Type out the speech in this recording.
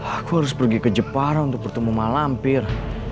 aku harus pergi ke jepara untuk bertemu malam